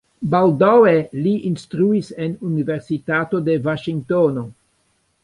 Baldaŭe li instruis en universitato de Vaŝingtono.